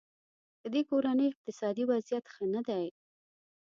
ددې کورنۍ اقتصادي وضیعت ښه نه دی.